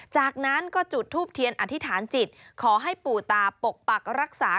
จากนั้นก็จุดทูปเทียนอธิษฐานจิตขอให้ปู่ตาปกปักรักษา